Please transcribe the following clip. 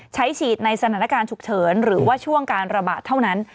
ใช้ฉีดในสถานการณ์ฉุกเฉินหรือว่าช่วงการระบาดเท่านั้น